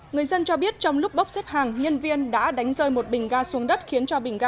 người dân cho biết trong lúc bốc xếp hàng nhân viên đã đánh rơi một bình ga xuống đất khiến cho bình ga